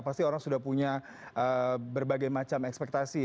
pasti orang sudah punya berbagai macam ekspektasi